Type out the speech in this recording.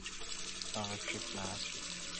هغه چوپ ناست وي تل,